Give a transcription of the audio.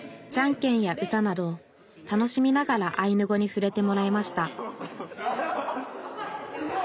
じゃんけんや歌など楽しみながらアイヌ語にふれてもらいました